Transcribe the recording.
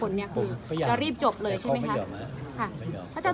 และเพื่อน